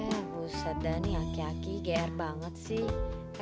eh buset dah nih aki aki gr banget sih